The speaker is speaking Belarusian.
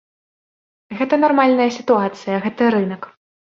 Гэта нармальная сітуацыя, гэта рынак.